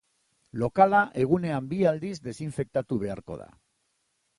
Lokala egunean bi aldiz desinfektatu beharko da.